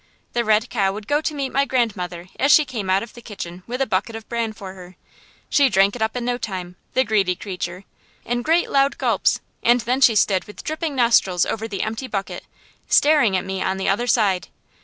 The red cow would go to meet my grandmother as she came out of the kitchen with a bucket of bran for her. She drank it up in no time, the greedy creature, in great loud gulps; and then she stood with dripping nostrils over the empty bucket, staring at me on the other side.